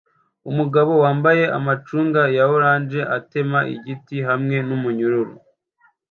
Umugabo wambaye amacunga ya orange atema igiti hamwe numunyururu